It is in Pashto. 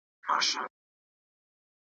کورنۍ چارې په پوهه ښې کیږي.